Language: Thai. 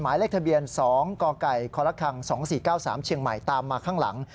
หมายเลขทะเบียน๒กกค๒๔๙๓เชียงใหม่ตามมาข้างหลัง